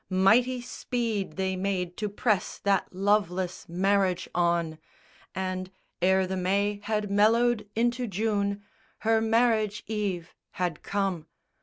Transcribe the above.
Mighty speed They made to press that loveless marriage on; And ere the May had mellowed into June Her marriage eve had come.